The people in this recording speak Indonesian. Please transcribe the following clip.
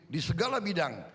di segala bidang